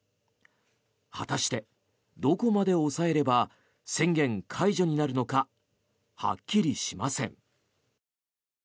果たして、どこまで抑えれば宣言解除になるのかはっきりしません。